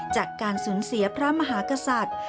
จากการสูญเสียพระมหากษัตริย์